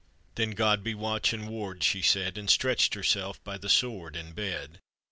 Then God be watch and ward," she said, And stretched herself by the sword in bed.